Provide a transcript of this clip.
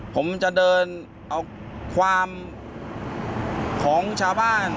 ผมจะเดินเอาความของชาวบ้าน